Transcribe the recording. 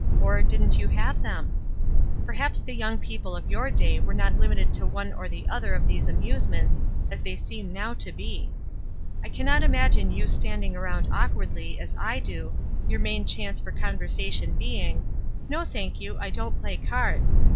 Or, didn't you have them ? Perhaps the young people of yoin day were not limited to one or the other of these amusements, as they seem now to be. I cannot imagine you standing around awkwardly SCRUPLES 97 as I do, your main chance for conversation being, *No, thank you, I don't play cards.'